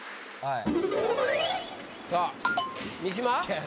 さあ三島。